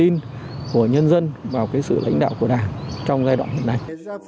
tin của nhân dân vào cái sự lãnh đạo của đảng trong giai đoạn này